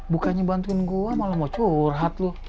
bukannya bantuin gua malah mau curhat lo